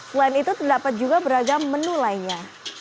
selain itu terdapat juga beragam menu lainnya